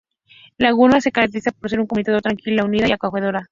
Lagunilla se caracteriza por ser una comunidad tranquila, unida y acogedora.